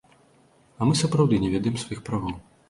А мы сапраўды не ведаем сваіх правоў.